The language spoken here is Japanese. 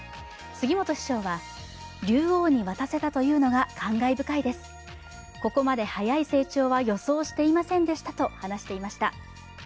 杉本師匠は、竜王に渡せたというのが感慨深いです、ここまで早い成長は予想していませんでしたと話していました。